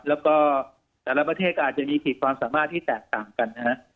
แล้วก็แต่ละประเทศก็อาจจะมีขีดความสามารถที่แตกต่างกันนะฮะ